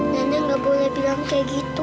nenek gak boleh bilang kayak gitu